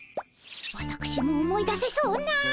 わたくしも思い出せそうな。